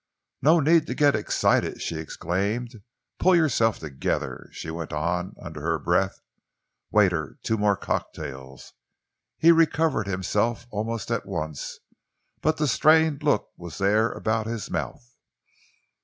"No need to get excited!" she exclaimed. "Pull yourself together," she went on, under her breath. "Waiter, two more cocktails." He recovered himself almost at once, but the strained look was there about his mouth.